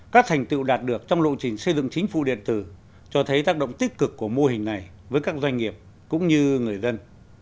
các thành tựu đạt được trong lộ trình xây dựng chính phủ điện tử cho thấy tác động tích cực của mô hình này với các doanh nghiệp cũng như người dân